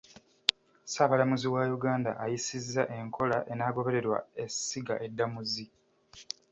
Ssaabalamuzi wa Uganda ayisizza enkola enaagobererwa essiga eddamuzi.